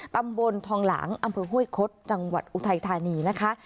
ตำบลทองหลางอำเภอห้วยคดจังหวัดอุทัยธานีนะคะ